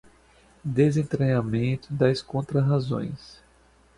desentranhamento das contrarrazões